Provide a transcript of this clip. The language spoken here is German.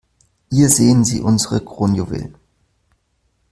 Hier sehen Sie unsere Kronjuwelen.